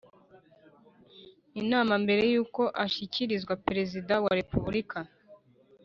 inama mbere y uko ashyikirizwa Perezida wa repubulika